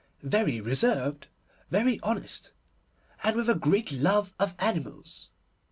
Very reserved, very honest, and with a great love of animals.